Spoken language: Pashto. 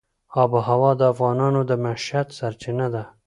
آب وهوا د افغانانو د معیشت سرچینه ده.